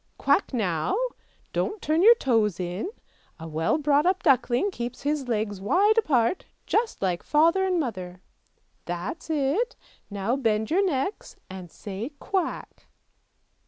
Quack now! don't turn your toes in, a well brought up duckling keeps his legs wide apart just like father and mother; that's it, now bend your necks, and say quack!